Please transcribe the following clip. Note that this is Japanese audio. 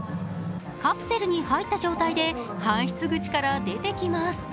カプセルに入った状態で搬出口から出てきます。